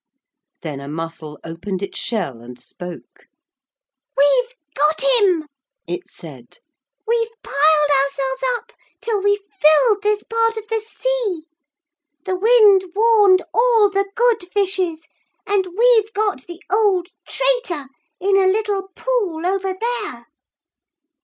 Then a mussel opened its shell and spoke. 'We've got him,' it said. 'We've piled our selves up till we've filled this part of the sea. The wind warned all the good fishes and we've got the old traitor in a little pool over there.